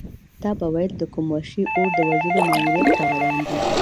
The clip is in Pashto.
تا به ویل د کوم وحشي اور د وژلو ماموریت ته روان دی.